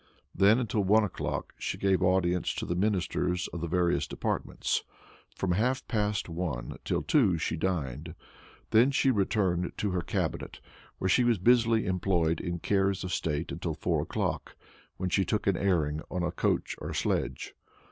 Then, until one o'clock, she gave audience to the ministers of the various departments. From half past one till two she dined. She then returned to her cabinet, where she was busily employed in cares of state until four o'clock, when she took an airing in a coach or sledge.